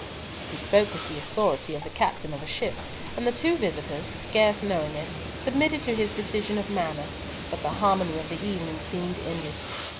He spoke with the authority of the captain of a ship, and the two visitors, scarce knowing it, submitted to his decision of manner, but the harmony of the evening seemed ended.